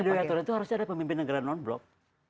mediator itu harusnya ada pemimpin negara non block